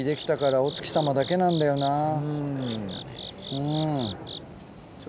うん。